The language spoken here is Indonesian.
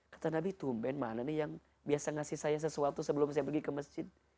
kata nabi tumben mana nih yang biasa ngasih saya sesuatu sebelum saya pergi ke masjid